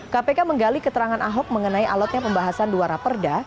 kpk menggali keterangan ahok mengenai alatnya pembahasan duara perda